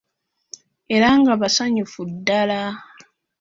Era nga basanyufu ddala!